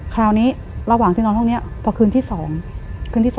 คราวนี้ระหว่างที่นอนห้องนี้พอคืนที่๒คืนที่๒